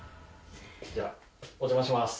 じゃあお邪魔します。